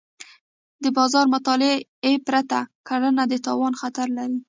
د بازار مطالعې پرته کرنه د تاوان خطر لري.